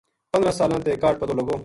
پندرہ سلاں تے کاہڈ پتو لگو۔